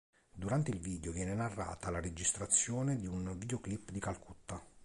Durante il video viene narrata la registrazione di un videoclip di Calcutta.